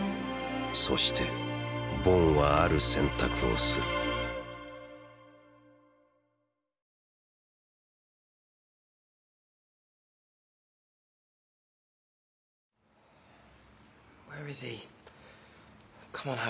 そしてボンはある選択をするどうしたんだ？